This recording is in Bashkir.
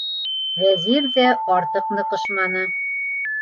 Вәзир ҙә артыҡ ныҡышманы.